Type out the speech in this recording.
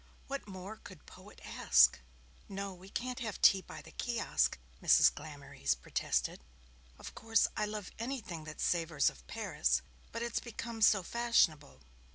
What more could poet ask? 'No, we can't have tea by the Kiosk,' Mrs. Glamorys protested. 'Of course I love anything that savours of Paris, but it's become so fashionable.